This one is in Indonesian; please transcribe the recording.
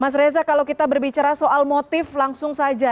mas reza kalau kita berbicara soal motif langsung saja